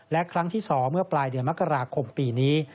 และครั้งที่สองเมื่อปลายเมื่อปีนี้